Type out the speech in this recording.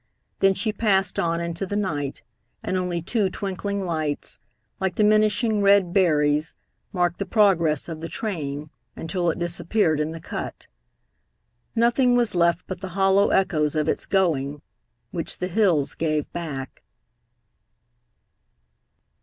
Then she passed on into the night, and only two twinkling lights, like diminishing red berries, marked the progress of the train until it disappeared in the cut. Nothing was left but the hollow echoes of its going, which the hills gave back.